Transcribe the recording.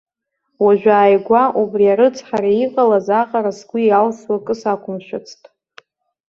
Уажәааигәа убри арыцҳара иҟалаз аҟара сгәы иалсуа акы сақәымшәацт.